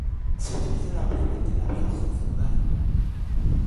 Se utilizan ampliamente en la biología celular.